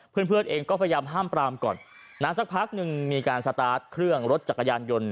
เพื่อนเพื่อนเองก็พยายามห้ามปรามก่อนนะสักพักหนึ่งมีการสตาร์ทเครื่องรถจักรยานยนต์